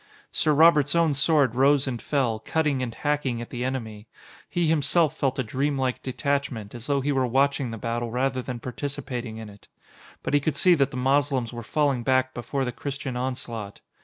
Sir Robert's own sword rose and fell, cutting and hacking at the enemy. He himself felt a dreamlike detachment, as though he were watching the battle rather than participating in it. But he could see that the Moslems were falling back before the Christian onslaught.